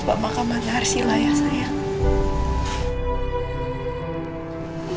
pemakamannya arsila ya sayang